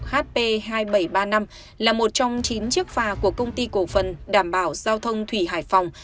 hp hai nghìn bảy trăm ba mươi năm là một trong chín chiếc phà của công ty cổ phần đảm bảo giao thông thủy hải phòng